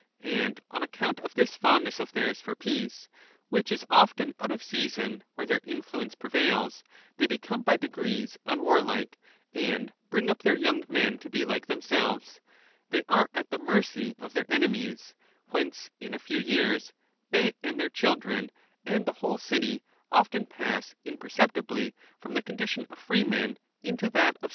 And on account of this fondness of theirs for peace, which is often out of season where their influence prevails, they become by degrees unwarlike, and bring up their young men to be like themselves ; they are at the mercy of their enemies ; whence in a few years they and their children and the whole city often pass imperceptibly from the condition of freemen into that of slaves.